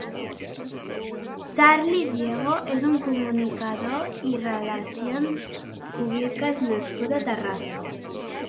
Xarli Diego és un comunicador i Relacions Públiques nascut a Terrassa.